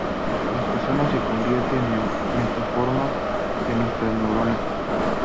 Las personas se convierten en metáforas de nuestras neuronas.